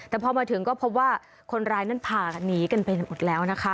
แต่พอมาถึงก็พบว่าคนร้ายนั้นพากันหนีกันไปหมดแล้วนะคะ